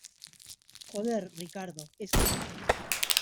joder, Ricardo , es que...